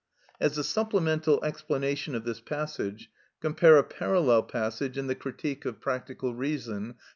(As a supplemental explanation of this passage, compare a parallel passage in the Critique of Practical Reason, p.